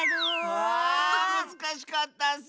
わあむずかしかったッス。